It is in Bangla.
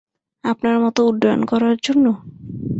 আপনার মতো উড্ডয়ন করার জন্য?